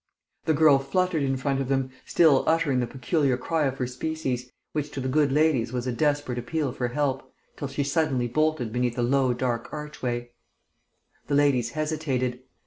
The girl fluttered in front of them, still uttering the peculiar cry of her species, which to the good ladies was a desperate appeal for help, till she suddenly bolted beneath a low, dark archway. The ladies hesitated.